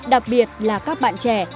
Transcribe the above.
đặc biệt là các bạn trẻ